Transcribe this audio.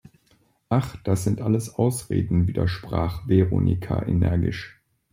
Ach, das sind alles Ausreden!, widersprach Veronika energisch.